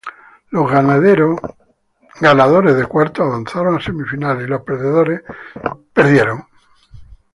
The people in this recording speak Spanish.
Los ganadores de cuartos avanzaron a semifinales y los perdedores dejaron de participar.